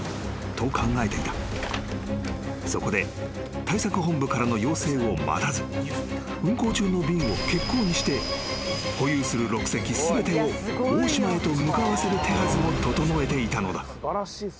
［そこで対策本部からの要請を待たず運航中の便を欠航にして保有する６隻全てを大島へと向かわせる手はずを整えていたのだ］